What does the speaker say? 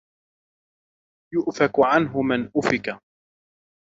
يؤفك عنه من أفك